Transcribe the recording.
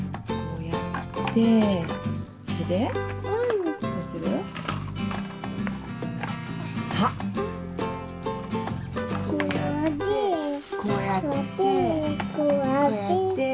こうやってこうやってこうやって。